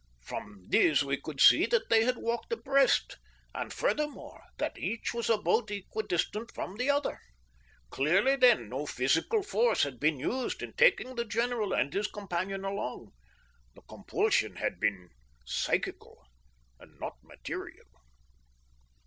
From these we could see that they had walked abreast, and, furthermore, that each was about equidistant from the other. Clearly, then, no physical force had been used in taking the general and his companion along. The compulsion had been psychical and not material.